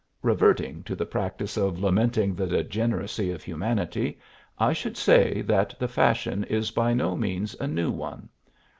Reverting to the practice of lamenting the degeneracy of humanity, I should say that the fashion is by no means a new one.